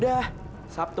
dia haris tertentu